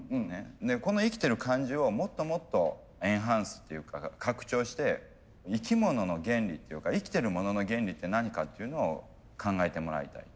この生きてる感じをもっともっとエンハンスっていうか拡張して生き物の原理っていうか生きてるものの原理って何かっていうのを考えてもらいたい。